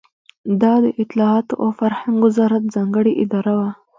دا د اطلاعاتو او فرهنګ وزارت ځانګړې اداره وه.